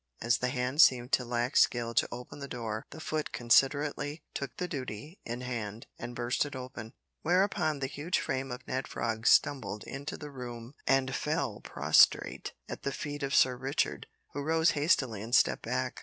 As the hand seemed to lack skill to open the door the foot considerately took the duty in hand and burst it open, whereupon the huge frame of Ned Frog stumbled into the room and fell prostrate at the feet of Sir Richard, who rose hastily and stepped back.